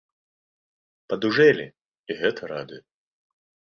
Падужэлі, і гэта радуе.